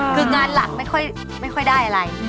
คืองานหลักไม่ค่อยได้อะไร